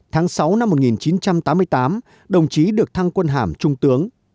tháng sáu năm một nghìn chín trăm tám mươi tám đồng chí được thăng quân hàm trung tướng